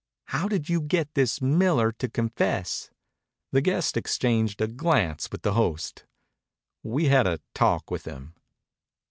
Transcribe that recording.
"How did you get this Miller to confess?" The guest exchanged a glance with the host. "We had a talk with him."